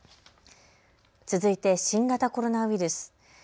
続いて新型コロナウイルス。